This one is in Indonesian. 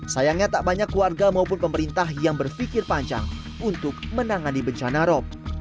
sayangnya tak banyak warga maupun pemerintah yang berpikir panjang untuk menangani bencana rop